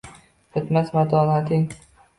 Bitmas matonating